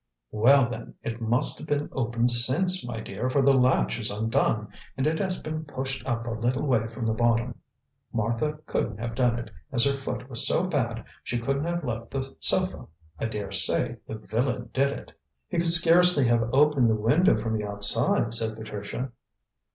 "Well, then, it must have been opened since, my dear, for the latch is undone, and it has been pushed up a little way from the bottom. Martha couldn't have done it, as her foot was so bad she couldn't have left the sofa. I daresay the villain did it." "He could scarcely have opened the window from the outside," said Patricia.